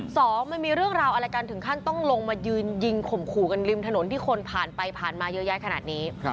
สองมันมีเรื่องราวอะไรกันถึงขั้นต้องลงมายืนยิงข่มขู่กันริมถนนที่คนผ่านไปผ่านมาเยอะแยะขนาดนี้